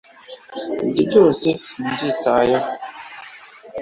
Ibyo byose sinabyitayeho